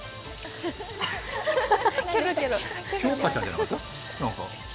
きょうかちゃんじゃなかった？